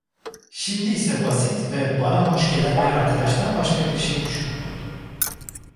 Şimdi ise basit ve bana hoş gelen bir arkadaştan başka bir şey düşünmüyordum.